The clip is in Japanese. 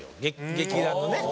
劇団のね。